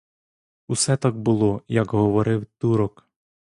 Усе так було, як говорив турок.